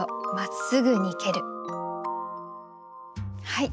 はい。